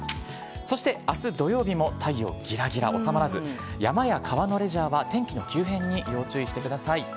そして明日土曜日も太陽ギラギラ収まらず山や川のレジャーは天気の急変に要注意してください。